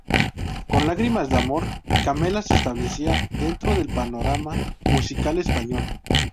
Con "Lágrimas de amor", Camela se establecía dentro del panorama musical español.